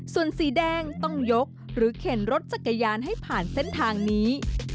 ส่วนสีแดงต้องยกหรือเข็นรถจักรยานให้ผ่านเส้นทางนี้